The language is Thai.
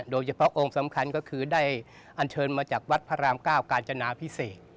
โดยเฉพาะองค์สำคัญก็คือได้อันเชิญมาจากวัดพระราม๙กาญจนาพิเศษ